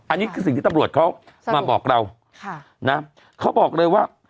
อันนี้คือสิ่งที่ตำรวจเขามาบอกเราค่ะนะเขาบอกเลยว่า